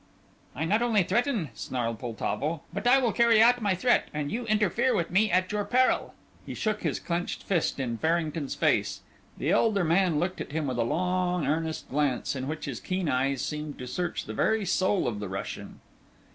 "I not only threaten," snarled Poltavo, "but I will carry out my threat, and you interfere with me at your peril!" He shook his clenched fist in Farrington's face. The elder man looked at him with a long, earnest glance in which his keen eyes seemed to search the very soul of the Russian.